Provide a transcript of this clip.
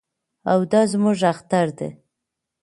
او دا زموږ اختر دی.